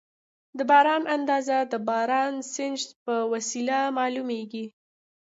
د باران اندازه د بارانسنج په وسیله معلومېږي.